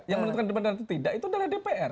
yang menentukan independen itu tidak itu adalah dpr